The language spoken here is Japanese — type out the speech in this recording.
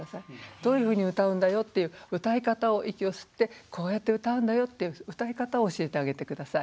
どういうふうに歌うんだよっていう歌い方を息を吸ってこうやって歌うんだよっていう歌い方を教えてあげて下さい。